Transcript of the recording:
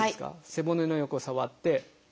背骨の横触って。